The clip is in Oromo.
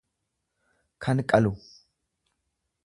kan qalu.